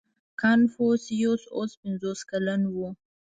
• کنفوسیوس اوس پنځوس کلن و.